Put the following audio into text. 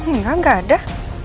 enggak gak ada